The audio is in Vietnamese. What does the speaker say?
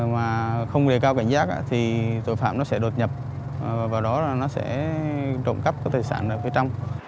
mà không hề cao cảnh giác thì tội phạm nó sẽ đột nhập vào đó là nó sẽ trộm cắp tài sản ở phía trong